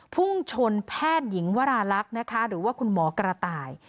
พุ่งชนแพทย์หญิงวราลักษณ์นะคะหรือว่าคุณหมอกระต่าย